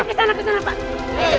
ke sana ke sana pak